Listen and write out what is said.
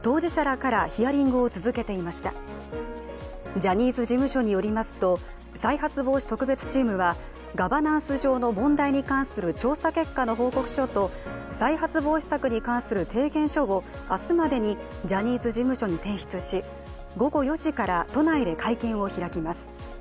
ジャニーズ事務所によりますと再発防止特別チームは、ガバナンス上の問題に関する調査結果の報告書と再発防止策に関する提言書を明日までにジャニーズ事務所に提出し、午後４時から都内で会見を開きます。